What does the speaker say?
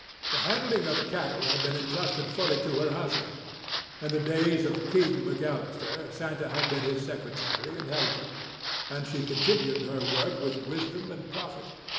The handling of cattle had been entrusted fully to her husband. In the days of "King" McAllister, Santa had been his secretary and helper; and she had continued her work with wisdom and profit.